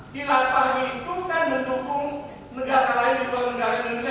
kilapa itu kan mendukung negara lain di luar negara indonesia